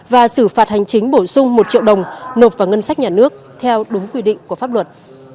và xử phạt hành chính bổ sung một triệu đồng nộp vào ngân sách nhà nước theo đúng quy định của pháp luật